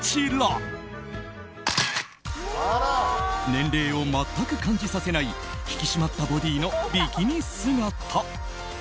年齢を全く感じさせない引き締まったボディーのビキニ姿。